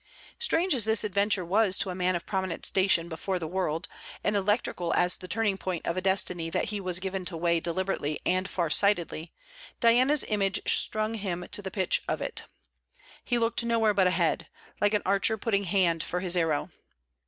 Strange as this adventure was to a man of prominent station before the world, and electrical as the turning point of a destiny that he was given to weigh deliberately and far sightedly, Diana's image strung him to the pitch of it. He looked nowhere but ahead, like an archer putting hand for his arrow.